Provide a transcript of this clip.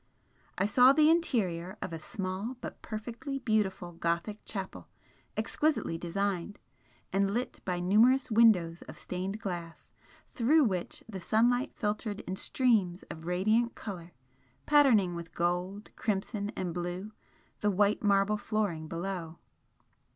I saw the interior of a small but perfectly beautiful Gothic chapel, exquisitely designed, and lit by numerous windows of stained glass, through which the sunlight filtered in streams of radiant colour, patterning with gold, crimson and blue, the white marble flooring below.